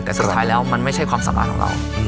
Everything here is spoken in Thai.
แต่สุดท้ายแล้วมันไม่ใช่ความสามารถของเรา